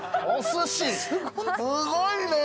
すごいね。